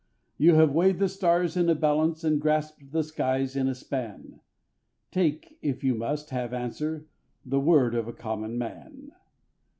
You have weighed the stars in a balance, and grasped the skies in a span: Take, if you must have answer, the word of a common man.